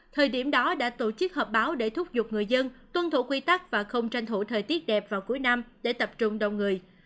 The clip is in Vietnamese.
thời điểm đó đã tổ chức họp báo để thúc giục người dân tuân thủ quy tắc và không tranh thủ thời tiết đẹp vào cuối năm để tập trung đông người